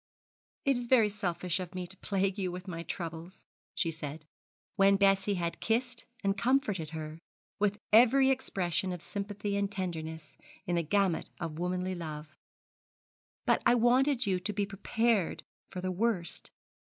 'It is very selfish of me to plague you with my troubles,' she said, when Bessie had kissed and comforted her with every expression of sympathy and tenderness in the gamut of womanly love, 'but I wanted you to be prepared for the worst.